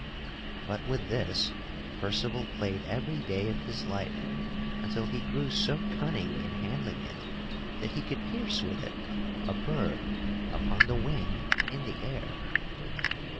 But with this Percival played every day of his life until he grew so cunning in handling it that he could pierce with it a bird upon the wing in the air.